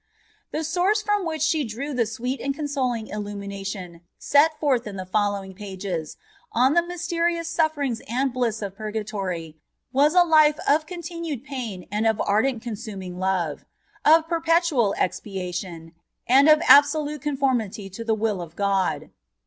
* The source from which she drew the sweet and consoling illumination set forth in the foUowing pages, on the mysterious sufierings and bliss of purgatory, was a life of continued pain and of ardent consuming love ; of perpetuai expiation, and of absolute conformity to the will of God.